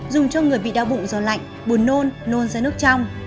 dùng cho người bị đau bụng do lạnh bùn nôn nôn ra nước trong